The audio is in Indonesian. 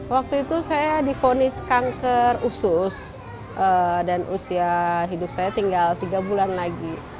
waktu itu saya difonis kanker usus dan usia hidup saya tinggal tiga bulan lagi